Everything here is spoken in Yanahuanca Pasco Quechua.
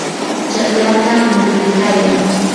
chaqlata mutuykayan.